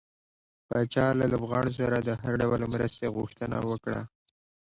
پاچا له لوبغاړو سره د هر ډول مرستې غوښتنه وکړه .